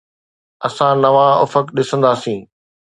اسان نوان افق ڏسنداسين.